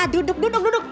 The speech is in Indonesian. duduk duduk duduk